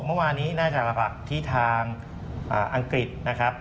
เมื่อวานนี้น่าจะมาผลักที่ทางอังกฤษนะครับ